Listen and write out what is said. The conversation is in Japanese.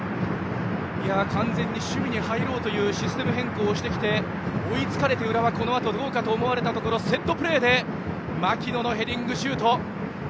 完全に守備に入ろうというシステム変更をしてきて追いつかれて浦和、このあとどうかと思われたところセットプレーで槙野のヘディングシュート。